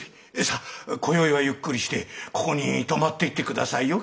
さあ今宵はゆっくりしてここに泊まっていって下さいよ